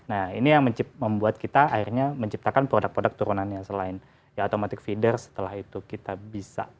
nah ini yang membuat kita akhirnya menciptakan produk produk turunannya selain ya automatic feeder setelah itu kita bisa